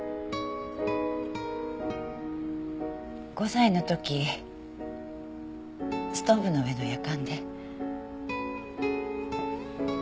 ５歳の時ストーブの上のやかんで。